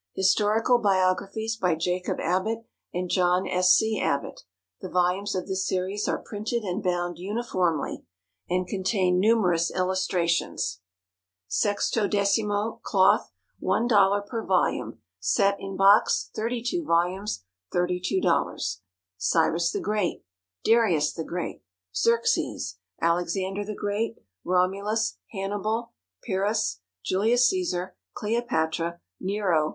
HISTORICAL BIOGRAPHIES. By JACOB ABBOTT and JOHN S. C. ABBOTT. The Volumes of this Series are printed and bound uniformly, and contain numerous Illustrations. 16mo, Cloth, $1.00 per volume; Set in box, 32 vols., $32.00. Cyrus the Great. Darius the Great. Xerxes. Alexander the Great. Romulus. Hannibal. Pyrrhus. Julius Cæsar. Cleopatra. Nero.